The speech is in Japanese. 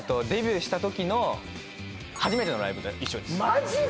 マジで！？